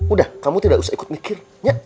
udah kamu tidak usah ikut mikir